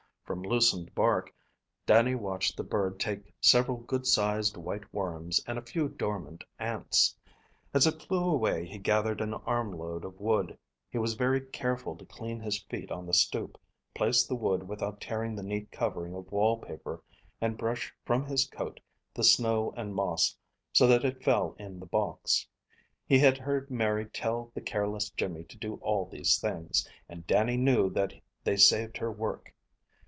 From loosened bark Dannie watched the bird take several good sized white worms and a few dormant ants. As it flew away he gathered an armload of wood. He was very careful to clean his feet on the stoop, place the wood without tearing the neat covering of wall paper, and brush from his coat the snow and moss so that it fell in the box. He had heard Mary tell the careless Jimmy to do all these things, and Dannie knew that they saved her work.